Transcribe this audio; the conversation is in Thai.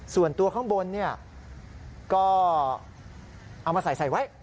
ส่วนตัวข้างบนก็เอามาใส่ไว้